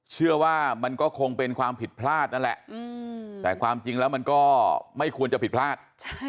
เชื่อว่ามันก็คงเป็นความผิดพลาดนั่นแหละแต่ความจริงแล้วมันก็ไม่ควรจะผิดพลาด